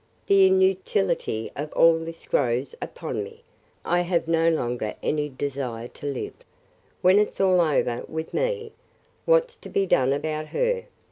'The inutility of all this grows upon me. I have no longer any great desire to live. When it 's all over with me, what 's to be done about her?